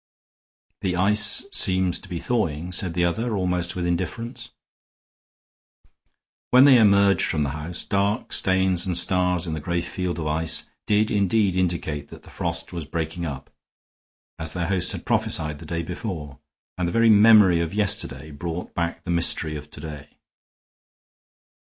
"The ice seems to be thawing," said the other, almost with indifference. When they emerged from the house, dark stains and stars in the gray field of ice did indeed indicate that the frost was breaking up, as their host had prophesied the day before, and the very memory of yesterday brought back the mystery of to day.